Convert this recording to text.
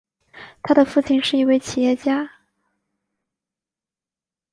他的父亲是一位企业家。